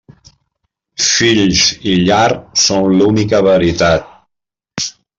Fills i llar són l'única veritat.